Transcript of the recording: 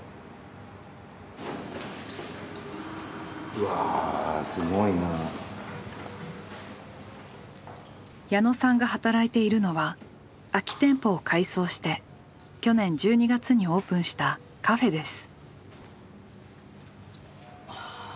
うわ矢野さんが働いているのは空き店舗を改装して去年１２月にオープンしたカフェです。